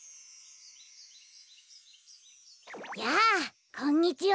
やあこんにちは。